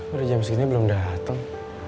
udah jam segini belum dateng